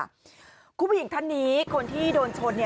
คุณผู้หญิงท่านนี้คนที่โดนชน